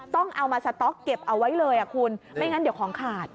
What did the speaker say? ต้องเอามาสต๊อกเก็บเอาไว้เลยคุณไม่งั้นเดี๋ยวของขาด